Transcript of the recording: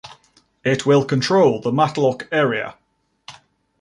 It will control the Matlock area.